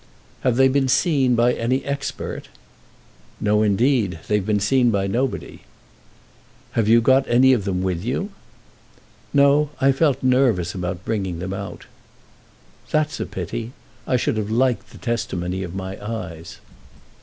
"Have they been seen by any expert?" "No indeed; they've been seen by nobody." "Have you got any of them with you?" "No; I felt nervous about bringing them out." "That's a pity. I should have liked the testimony of my eyes."